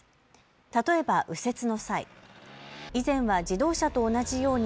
例えば右折の際、以前は自動車と同じように